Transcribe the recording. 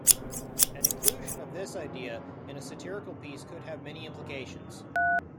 An inclusion of this idea in a satirical piece could have many implications.